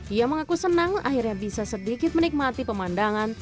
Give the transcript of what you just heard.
ia mengaku senang akhirnya bisa sedikit menikmati pemandangan